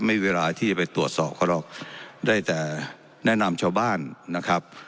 ไม่มีเวลาที่จะไปตรวจสอบเขาหรอกได้แต่แนะนำชาวบ้านนะครับ